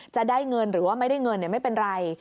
จะได้เงินหรือไม่ได้เงินเนี่ยไม่เป็นไร